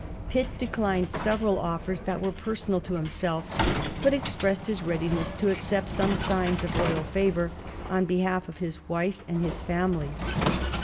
Pitt declined several offers that were personal to himself, but expressed his readiness to accept some signs of the royal favor on behalf of his wife and his family.